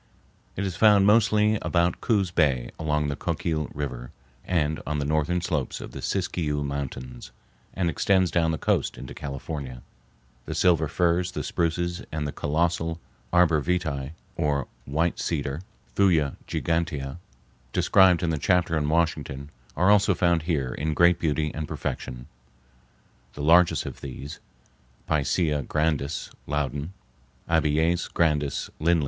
It is found mostly about Coos Bay, along the Coquille River, and on the northern slopes of the Siskiyou Mountains, and extends down the coast into California. The silver firs, the spruces, and the colossal arbor vitæ, or white cedar(Thuja gigantea), described in the chapter on Washington, are also found here in great beauty and perfection, the largest of these (Picea grandis, Loud.; Abies grandis, Lindl.)